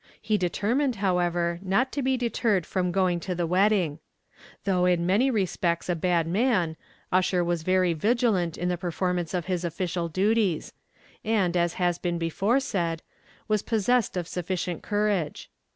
He determined, however, not to be deterred from going to the wedding. Though in many respects a bad man, Ussher was very vigilant in the performance of his official duties, and, as has been before said, was possessed of sufficient courage.